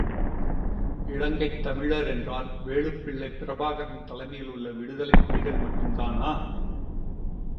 இலங்கைத் தமிழர் என்றால் வேலுப் பிள்ளை பிரபாகரன் தலைமையில் உள்ள விடுதலைப் புலிகள் மட்டும்தானா?